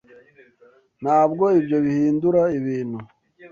Ntabwo ibyo bihindura ibintu?